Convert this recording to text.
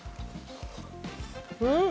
うん！